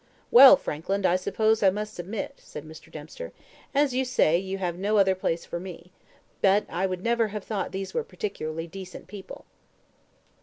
"Well, Frankland, I suppose I must submit," said Mr. Dempster, "as you say you have no other place for me; but I never would have thought these were particularly decent people."